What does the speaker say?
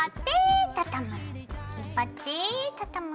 引っ張って畳む。